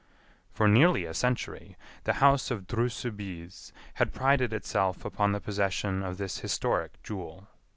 For nearly a century, the house of Dreux Soubise had prided itself upon the possession of this historic jewel.